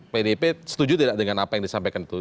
pdip setuju tidak dengan apa yang disampaikan itu